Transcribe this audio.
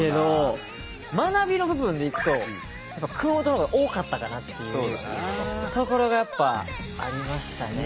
学びの部分でいくと熊本のほうが多かったかなというところがやっぱありましたね。